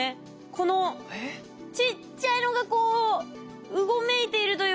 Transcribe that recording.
このちっちゃいのがこううごめいているというか。